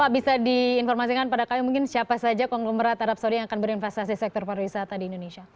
pak bisa diinformasikan pada kami mungkin siapa saja konglomerat arab saudi yang akan berinvestasi sektor pariwisata di indonesia